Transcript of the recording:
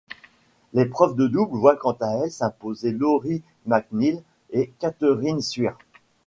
L'épreuve de double voit quant à elle s'imposer Lori McNeil et Catherine Suire.